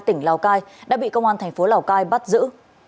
tỉnh lào cai đã bị công an tp lào cai bắt giữ